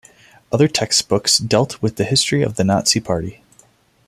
Other textbooks dealt with the history of the Nazi Party.